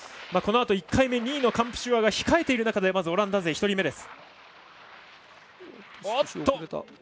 このあと１回目２位のカンプシュアーが控えている中でオランダ勢１人目。